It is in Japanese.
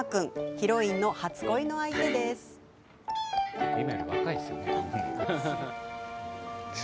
ヒロインの初恋の相手です。え？